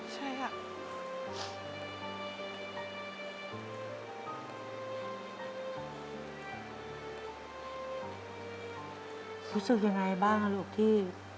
หรืออยากจะรู้สึกยังไงบ้างครับลูกที่